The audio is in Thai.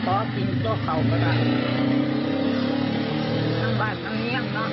แต่ว่าเขาจะมาเลือกจะไปถามจากซีฟเฌอร์